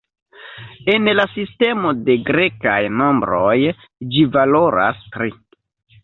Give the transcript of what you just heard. En la sistemo de grekaj nombroj ĝi valoras tri.